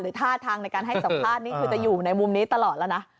ท่าทางในการให้สัมภาษณ์นี่คือจะอยู่ในมุมนี้ตลอดแล้วนะ